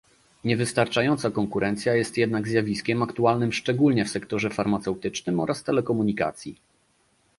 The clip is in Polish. Niewystarczająca konkurencja jest jednak zjawiskiem aktualnym szczególnie w sektorze farmaceutycznym oraz telekomunikacji